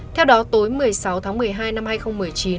theo đó tối một mươi sáu tháng một mươi hai năm hai nghìn một mươi chín